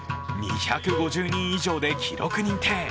２５０人以上で記録認定。